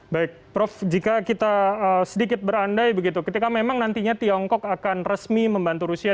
baik prof jika kita sedikit berandai begitu ketika memang nantinya tiongkok akan resmi membantu rusia